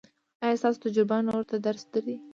ایا ستاسو تجربه نورو ته درس دی؟